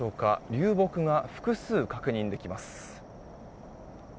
流木が複数確認できます。